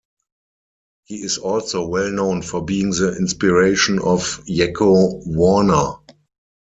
He is also well known for being the inspiration of Yakko Warner.